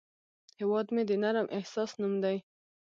هیواد مې د نرم احساس نوم دی